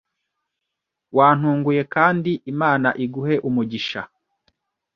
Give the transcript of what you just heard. wantunguye kandi Imana iguhe umugisha,